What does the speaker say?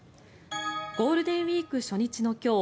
ゴールデンウィーク初日の今日